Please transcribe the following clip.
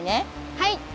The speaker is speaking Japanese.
はい！